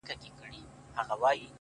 • نن: سیاه پوسي ده،